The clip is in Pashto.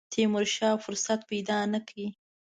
تیمورشاه فرصت پیدا نه کړ.